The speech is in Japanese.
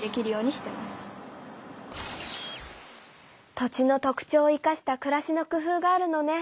土地の特徴を生かしたくらしの工夫があるのね。